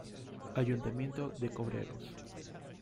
Ayuntamiento de Cobreros.